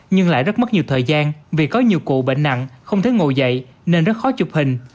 nhưng lại rất mất nhiều thời gian vì có nhiều cụ bệnh nặng không thể ngồi dậy nên rất khó chụp hình